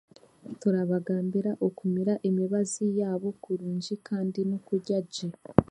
Turabagambira okumiira emibaazi yaabo kurungi kandi n'okurya gye.